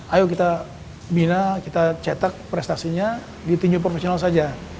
ayo kita bina kita cetak prestasinya di tinju profesional saja